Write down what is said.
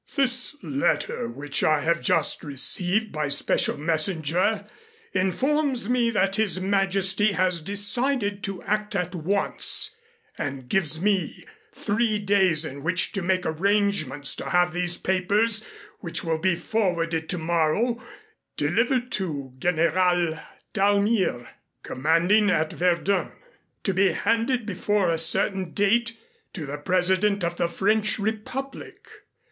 "This letter which I have just received by special messenger informs me that His Majesty has decided to act at once, and gives me three days in which to make arrangements to have these papers, which will be forwarded tomorrow, delivered to General Dalmier, commanding at Verdun, to be handed before a certain date, to the President of the French Republic.